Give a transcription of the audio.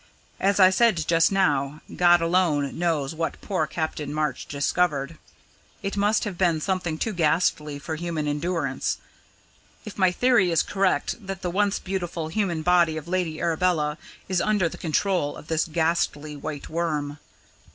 As I said just now, God alone knows what poor Captain March discovered it must have been something too ghastly for human endurance, if my theory is correct that the once beautiful human body of Lady Arabella is under the control of this ghastly White Worm."